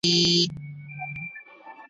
خو په هیڅ درمل یې سوده نه کېدله `